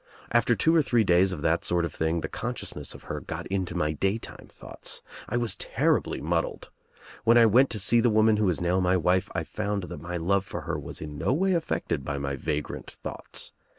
After two or three days of that sort of thing the consciousness of her got into my daytime thoughts. I was terribly muddled. When I went to see the woman who is now my wife I found that my love for her was in no way affected by my vagrant thoughts.